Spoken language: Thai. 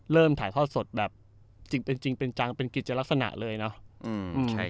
เริ่มถ่ายข้อสดแบบจริงเป็นจริงเป็นจังเป็นกิจลักษณะเลยเนอะอืม